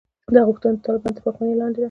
دا غوښتنه د طالبانو تر واکمنۍ لاندې ده.